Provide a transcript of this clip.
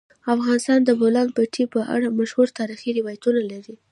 افغانستان د د بولان پټي په اړه مشهور تاریخی روایتونه لري.